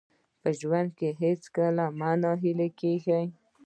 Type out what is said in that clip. په ژوند کې هېڅکله مه ناهیلي کېږئ.